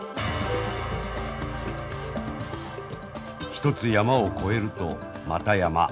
一つ山を越えるとまた山